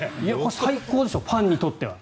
最高でしょファンにとっては。